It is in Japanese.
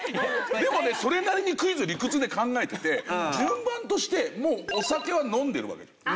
でもねそれなりにクイズ理屈で考えてて順番としてもうお酒は飲んでるわけじゃん。